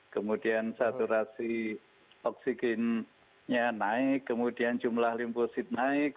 kemudian saturasi oksigennya naik kemudian jumlah limposit naik